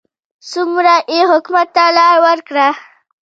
څومره یې حکومت ته لار وکړه.